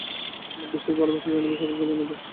আমার বিশেষ ভালবাসা জানিবে ও সকলকে জানাইবে।